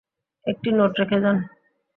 একটি নোট রেখে যান।